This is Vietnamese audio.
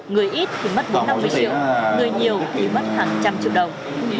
người ít thì mất bốn trăm năm mươi triệu người nhiều thì mất hàng trăm triệu đồng